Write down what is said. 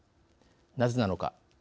なぜなのか。